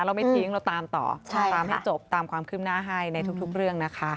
เราไม่ทิ้งเราตามต่อตามให้จบตามความคืบหน้าให้ในทุกเรื่องนะคะ